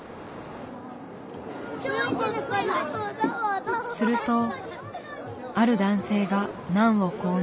するとある男性がナンを購入。